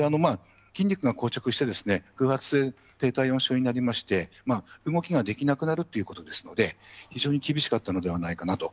筋肉がこう着して、風圧で低体温症になりまして、動きができなくなるってことですので、非常に厳しかったのではないかなと。